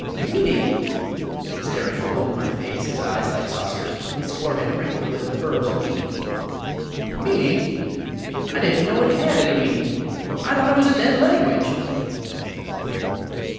"MEANING!!" (staring full in my face, his eyes like saucers, and forehead wrinkled with the furrows of eighty) "MEANING!! I didn't know it had any meaning. I thought it was a DEAD language!!"